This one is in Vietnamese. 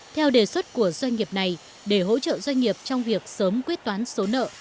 theo đề xuất của doanh nghiệp này để hỗ trợ doanh nghiệp trong việc sớm quyết toán số nợ